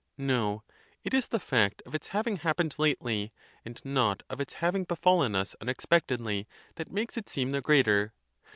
No, it is the fact of its having happened lately, and not of its having befallen us unexpectedly, that makes it seem the greater.